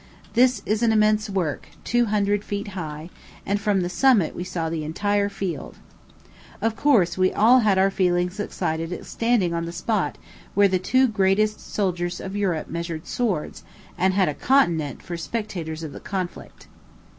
This is an immense work, two hundred feet high; and from the summit we saw the entire field. Of course, we all had our feelings excited at standing on a spot where the two greatest soldiers of Europe measured swords, and had a continent for spectators of the conflict.